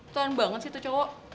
tuhan banget sih tuh cowok